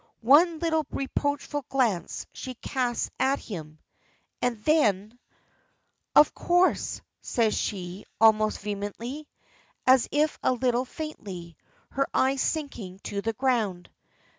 One little reproachful glance she casts at him, and then: "Of course," says she, almost vehemently, if a little faintly, her eyes sinking to the ground.